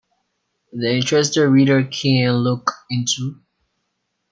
The interested reader can look into.